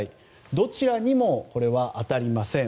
どちらにも当たりません。